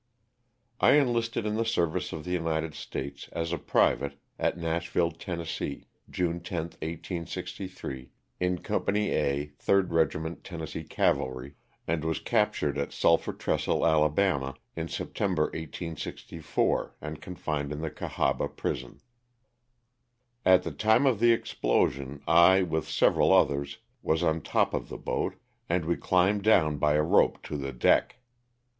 T ENLISTED in the service of the United States, as ^ a private, at Nashville, Tenn., June 10, 1863, in Company A, 3rd Regiment Tennessee Cavalry, and was captured at Sulphur Trestle, Ala., in September, 1864, and confined in the Cahaba prison. At the time of the explosion I, with several others, was on top of the boat, and we climbed down by a rope to the deck.